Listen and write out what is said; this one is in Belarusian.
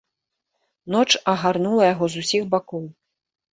Ноч агарнула яго з усіх бакоў.